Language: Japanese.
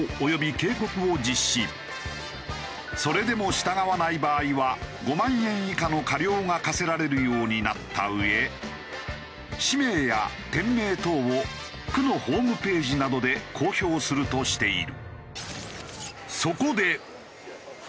それでも従わない場合は５万円以下の過料が科せられるようになった上氏名や店名等を区のホームページなどで公表するとしている。